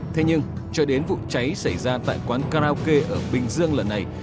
thế nhưng cho đến vụ cháy xảy ra tại quán karaoke ở bình dương lần này